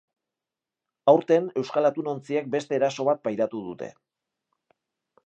Aurten, euskal atunontziek beste eraso bat pairatu dute.